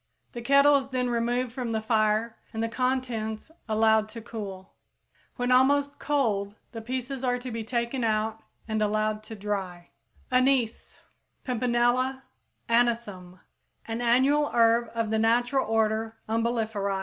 The kettle is then removed from the fire and the contents allowed to cool. When almost cold the pieces are to be taken out and allowed to dry. =Anise= (Pimpinella Anisum, Linn.), an annual herb of the natural order Umbelliferæ.